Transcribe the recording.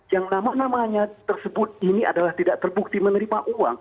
yang nama namanya tersebut ini adalah tidak terbukti menerima uang